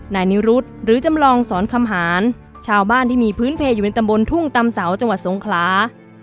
นายนิรุธหรือจำลองสอนคำหารชาวบ้านที่มีพื้นเพลอยู่ในตำบลทุ่งตำเสาจังหวัดสงขลา